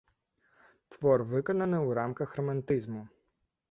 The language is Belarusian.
Твор выканана ў рамках рамантызму.